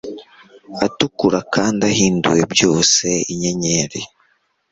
atukura kandi adahinduwe byose-inyenyeri